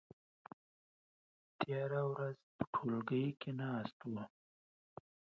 تېره ورځ په ټولګي کې ناست وو.